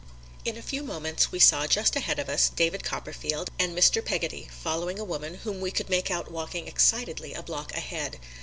In a few moments we saw just ahead of us David Copperfield and Mr. Peggotty following a woman whom we could make out walking excitedly a block ahead.